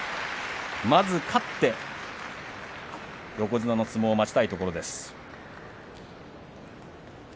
まず勝って横綱の相撲を待ちたいところです。